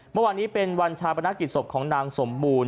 เมื่อวานนี้เป็นวันชาปนกิจศพของนางสมบูรณ